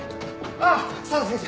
ああ佐々木先生！